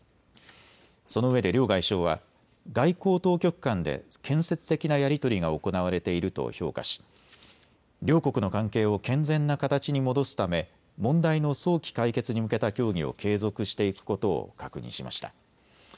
そのうえで両外相は外交当局間で建設的なやり取りが行われていると評価し両国の関係を健全な形に戻すため問題の早期解決に向けた協議を継続していくことを確認しました。